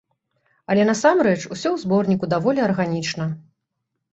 Але насамрэч усё ў зборніку даволі арганічна.